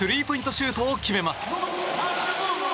シュートを決めます。